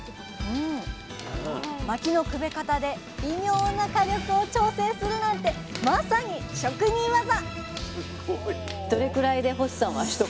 まきのくべ方で微妙な火力を調整するなんてまさに職人ワザ！